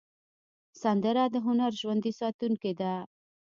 سندره د هنر ژوندي ساتونکی ده